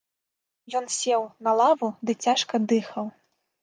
Ён сеў на лаву ды цяжка дыхаў.